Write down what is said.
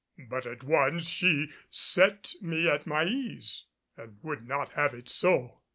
But at once she set me at my ease and would not have it so.